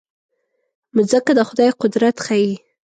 مځکه د خدای قدرت ښيي.